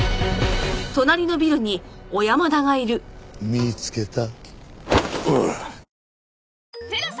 見いつけた。